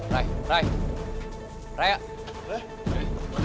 re re raya